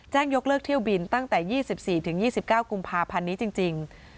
ยกเลิกเที่ยวบินตั้งแต่๒๔๒๙กุมภาพันธ์นี้จริง